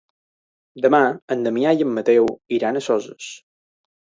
Demà na Damià i en Mateu iran a Soses.